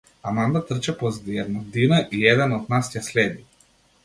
Аманда трча позади една дина и еден од нас ја следи.